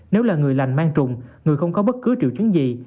nếu là người lành mang trùng người không có bất cứ triệu chứng gì